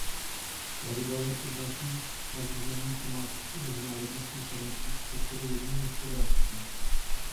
Pravidelně přednáší na významných domácích i mezinárodních konferencích v sektoru vodního hospodářství.